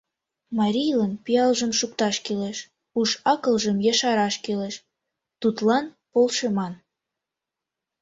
Марийлан пиалжым шукташ кӱлеш, уш-акылжым ешараш кӱлеш, тудлан полшыман.